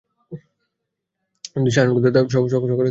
যদি শাসন করতে চাও, সকলের গোলাম হয়ে যাও।